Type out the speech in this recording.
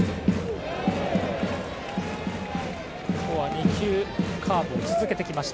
２球カーブを続けてきました。